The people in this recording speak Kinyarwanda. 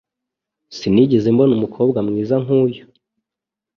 Sinigeze mbona umukobwa mwiza nkuyu.